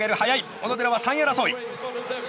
小野寺は３位争い。